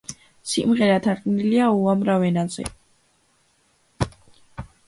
სიმღერა თარგმნილია უამრავ ენაზე.